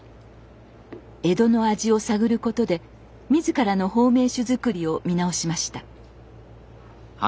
江戸の味を探ることで自らの保命酒づくりを見直しました。